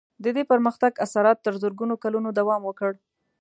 د دې پرمختګ اثرات تر زرګونو کلونو دوام وکړ.